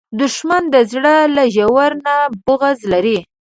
دښمن د زړه له ژورو نه بغض لري